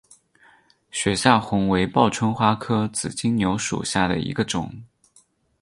雪下红为报春花科紫金牛属下的一个种。